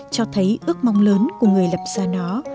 cho thấy ước mong lớn của người lập ra nó